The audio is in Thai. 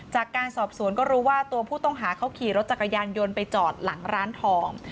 จากการสอบสวนก็รู้ว่าตัวผู้ต้องหาเขาขี่รถจักรยานยนต์ไปจอดหลังร้านทอง